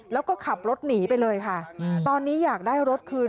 แล้วก็ขับรถหนีไปเลยค่ะตอนนี้อยากได้รถคืน